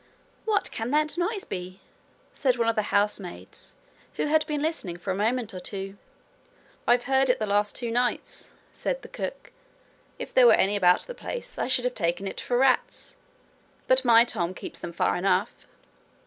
'What can that noise be?' said one of the housemaids, who had been listening for a moment or two. 'I've heard it the last two nights,' said the cook. 'If there were any about the place, I should have taken it for rats, but my Tom keeps them far enough.'